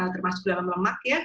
termasuk dalam lemak ya